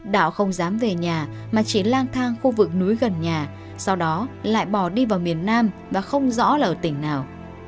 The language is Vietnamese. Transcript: đạo không dám về nhà mà chỉ lang thang khu vực núi gần nhà sau đó lại bỏ đi vào miền nam và không rõ là ở tỉnh nào